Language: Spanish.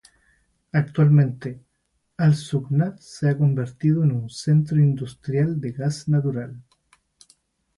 Actualmente, al-Sukhnah se ha convertido en un centro industrial de gas natural.